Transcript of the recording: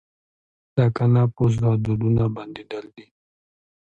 د اکنه د پوست غدودونو بندېدل دي.